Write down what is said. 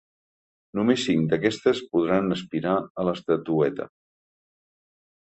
Només cinc d’aquestes podran aspirar a l’estatueta.